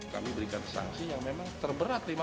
kami berikan sanksi yang memang terberat